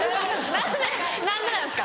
何でなんですか！